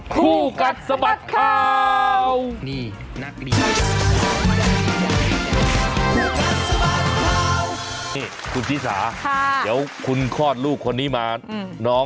คู่กัดสะบัดข่าว